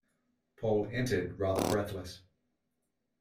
Paul entered rather breathless.